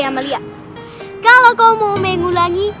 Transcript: eh amalia kalau kau mau mengulangi